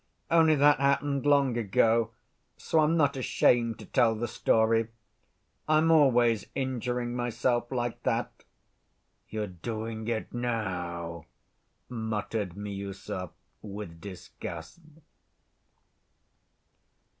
Only that happened long ago, so I'm not ashamed to tell the story. I'm always injuring myself like that." "You're doing it now," muttered Miüsov, with disgust.